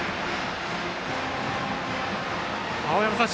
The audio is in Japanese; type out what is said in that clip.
青山さん